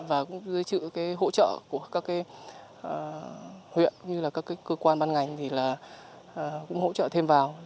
và cũng giới trữ cái hỗ trợ của các cái huyện như là các cái cơ quan ban ngành thì là cũng hỗ trợ thêm vào